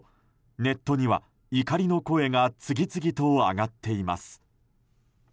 ネットには怒りの声が次々と上がっています。